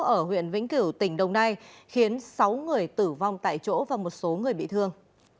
ở huyện vĩnh cửu tỉnh đồng nai khiến sáu người tử vong tại chỗ và một số người bị thương